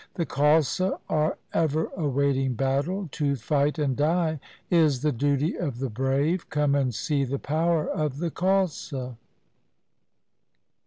The Khalsa are ever awaiting battle. To fight and die is the duty of the brave. Come and see the power of the Khalsa.'